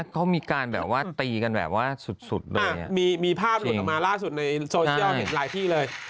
ก็มีการแบบว่าตีกันแบบว่าสุดเลยมีภาพหลุดออกมาล่าสุดในโซเชียลเห็นหลายที่เลย